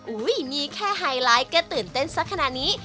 อุ้ยนี่แค่ไฮไลท์ก็ตื่นเต้นสักขนาดนี้